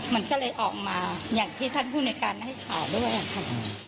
มันก็เลยออกมาอย่างที่ท่านผู้ในการให้ข่าวเมื่อวานค่ะ